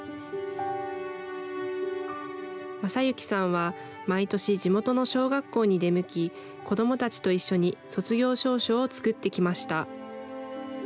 正行さんは毎年、地元の小学校に出向き、子どもたちと一緒に卒業証書を作ってきました。